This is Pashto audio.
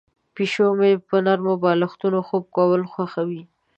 پیشو مې په نرمو بالښتونو خوب کول خوښوي.